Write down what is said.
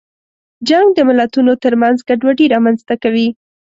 جنګ د ملتونو ترمنځ ګډوډي رامنځته کوي.